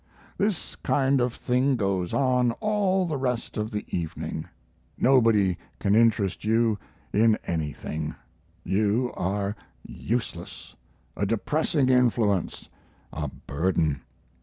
This kind of thing goes on all the rest of the evening; nobody can interest you in anything; you are useless, a depressing influence, a burden.